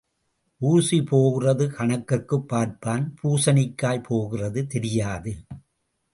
ஊசி போகிறது கணக்குப் பார்ப்பான் பூசணிக்காய் போகிறது தெரியாது.